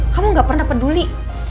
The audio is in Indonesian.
kamu gak pernah peduli